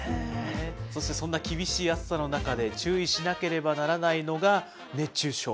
そしてそんな厳しい暑さの中で、注意しなければならないのが、熱中症。